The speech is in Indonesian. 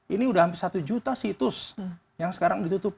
ini udah hampir satu juta situs yang sekarang ditutup